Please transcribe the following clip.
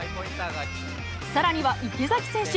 さらには、池崎選手。